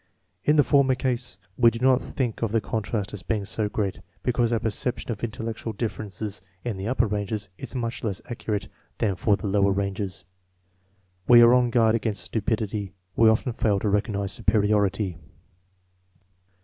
In the former case, we do not think of the contrast as being so great because our perception of intellectual differ ences in the upper ranges is much less acute than for the lower ranges. We are on guard against stupidity; ,we often fail to recognize superiority.